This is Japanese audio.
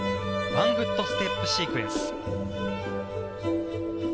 ワンフットステップシークエンス。